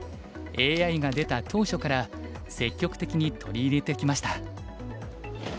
ＡＩが出た当初から積極的に取り入れてきました。